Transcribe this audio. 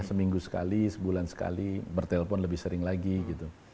seminggu sekali sebulan sekali bertelpon lebih sering lagi gitu